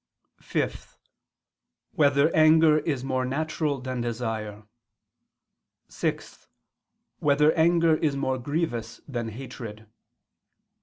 (5) Whether anger is more natural than desire? (6) Whether anger is more grievous than hatred?